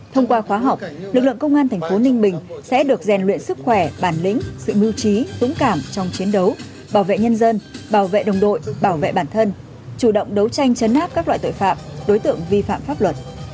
thông qua khóa học lực lượng công an thành phố ninh bình sẽ được rèn luyện sức khỏe bản lĩnh sự mưu trí dũng cảm trong chiến đấu bảo vệ nhân dân bảo vệ đồng đội bảo vệ bản thân chủ động đấu tranh chấn áp các loại tội phạm đối tượng vi phạm pháp luật